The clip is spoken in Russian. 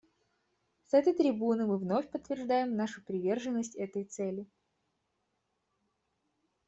С этой трибуны мы вновь подтверждаем нашу приверженность этой цели.